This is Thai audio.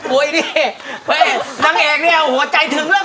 ขอบคุณค่ะทุกคนทั้ง๓ตั้งครับ